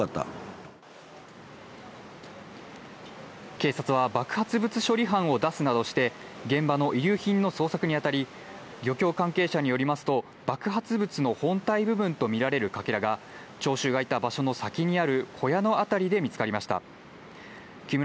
警察は爆発物処理班を出すなどして、現場の遺留品の捜索にあたり、漁港関係者によりますと、爆発物の本体部分とみられるかけらが聴衆がいた場所の先にある小屋のあたりで見つかりました。